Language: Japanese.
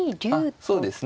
あっそうですね